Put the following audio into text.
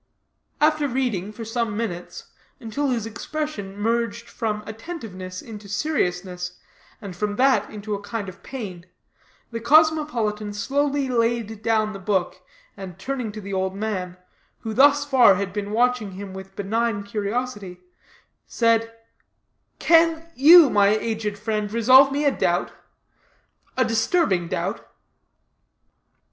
After reading for some minutes, until his expression merged from attentiveness into seriousness, and from that into a kind of pain, the cosmopolitan slowly laid down the book, and turning to the old man, who thus far had been watching him with benign curiosity, said: "Can you, my aged friend, resolve me a doubt a disturbing doubt?"